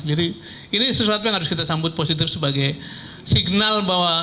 jadi ini sesuatu yang harus kita sambut positif sebagai signal bahwa